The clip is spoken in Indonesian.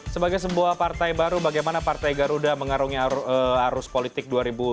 sebagai sebuah partai baru bagaimana partai garuda mengarungi arus politik dua ribu dua puluh